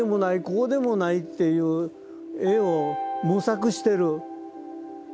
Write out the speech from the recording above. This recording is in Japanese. こうでもないっていう絵を模索してる。